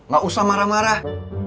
gak usah marah marah